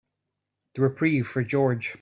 The reprieve for George.